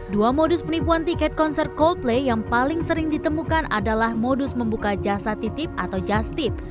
dua modus penipuan tiket konser coldplay yang paling sering ditemukan adalah modus membuka jasa titip atau just tip